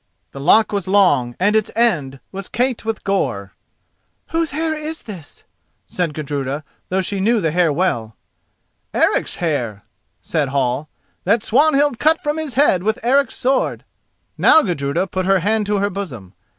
The lock was long, and its end was caked with gore. "Whose hair is this?" said Gudruda, though she knew the hair well. "Eric's hair," said Hall, "that Swanhild cut from his head with Eric's sword." Now Gudruda put her hand to her bosom.